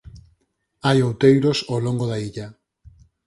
Hai outeiros ao longo da illa.